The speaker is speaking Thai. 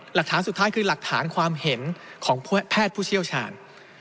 หลักฐานสุดท้ายคือหลักฐานความเห็นของแพทย์ผู้เชี่ยวชาญ